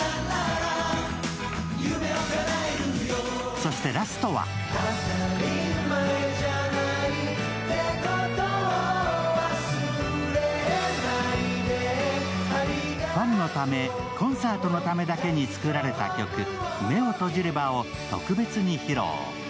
そしてラストはファンのため、コンサートのためだけに作られた曲、「目を閉じれば」を特別に披露。